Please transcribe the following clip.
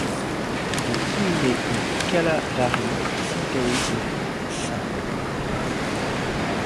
Il est inhumé au Calavary Cemetery de St.